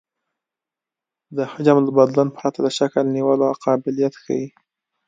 د حجم له بدلون پرته د شکل نیولو قابلیت ښیي